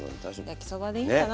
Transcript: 焼きそばでいいんかな。